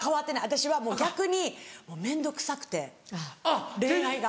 私はもう逆に面倒くさくて恋愛が。